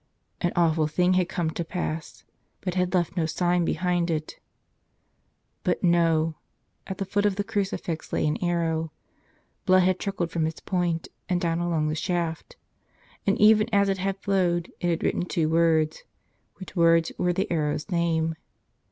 An awful thing had come to pass, but had left no sign behind it. But no — at the foot of the crucifix lay an arrow. Blood had trickled from its point and down along the shaft. And even as it had flowed it had written two words, which words were the arrow's name.